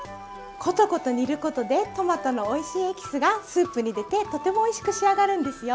コトコト煮ることでトマトのおいしいエキスがスープに出てとてもおいしく仕上がるんですよ。